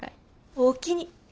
おおきに。